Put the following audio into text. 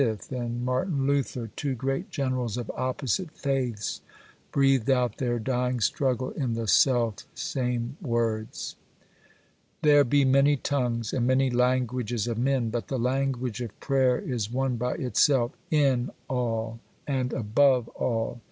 and Martin Luther, two great generals of opposite faiths, breathed out their dying struggle in the self same words. There be many tongues and many languages of men,—but the language of prayer is one by itself, in all and above all.